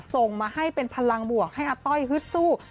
ส่งมาให้เป็นพลังบวกให้อาต้อยฮึดสู้